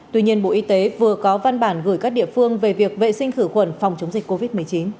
tuy nhiên bộ y tế vừa có văn bản gửi các địa phương về việc vệ sinh khử khuẩn phòng chống dịch covid một mươi chín